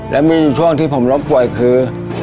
และมีช่วงที่ผมล้มป่วยคือ